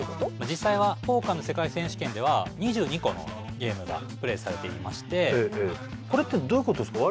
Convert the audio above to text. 実際はポーカーの世界選手権では２２個のゲームがプレーされていましてこれってどういうことですか